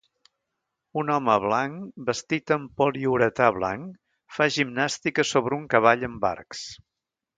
Un home blanc vestit amb poliuretà blanc fa gimnàstica sobre un cavall amb arcs.